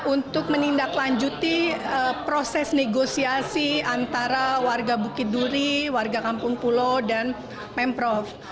untuk menindaklanjuti proses negosiasi antara warga bukit duri warga kampung pulo dan pemprov